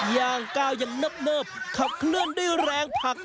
ย่างก้าวยังเนิบขับเคลื่อนด้วยแรงผัก